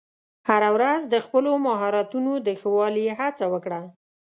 هره ورځ د خپلو مهارتونو د ښه والي هڅه وکړه.